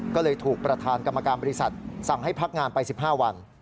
ก็เลยถูกประธานกรรมการบริษัทสั่งให้พักงานไป๑๕วัน